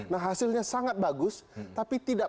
nah hasilnya sangat bagus tapi tidak